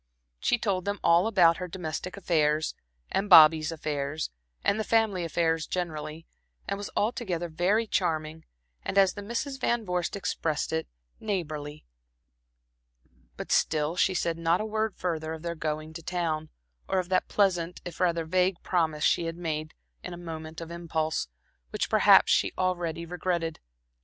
She told them all about her domestic affairs, and Bobby's affairs, and the family affairs generally, and was altogether very charming and as the Misses Van Vorst expressed it, "neighborly;" but still she said not a word further of their going to town, or of that pleasant if rather vague promise she had made in a moment of impulse, which perhaps she already regretted.